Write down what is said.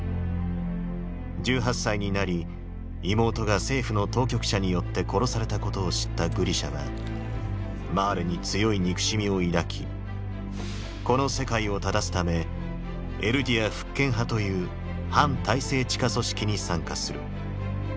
１８歳になり妹が政府の当局者によって殺されたことを知ったグリシャはマーレに強い憎しみを抱きこの世界を正すため「エルディア復権派」という反体制地下組織に参加する。